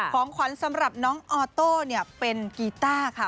ของขวัญสำหรับน้องออโต้เป็นกีต้าค่ะ